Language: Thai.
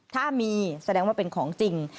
ถ้ามีแสดงว่าเป็นของจริง